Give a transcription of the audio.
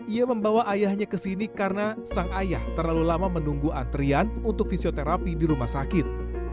ia membawa ayahnya ke sini karena sang ayah terlalu lama menunggu antrian untuk fisioterapi di rumah sakit